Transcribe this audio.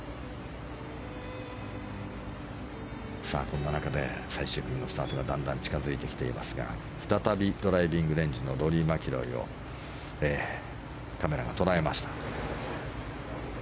こんな中で最終組のスタートがだんだん近付いてきていますが再びドライビングレンジのローリー・マキロイをカメラが捉えました。